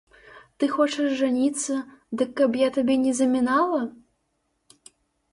Ты хочаш жаніцца, дык каб я табе не замінала?!